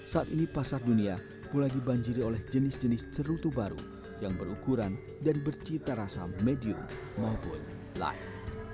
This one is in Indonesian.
saat ini pasar dunia mulai dibanjiri oleh jenis jenis cerutu baru yang berukuran dan bercita rasa medium maupun light